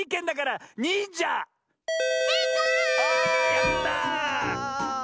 やった！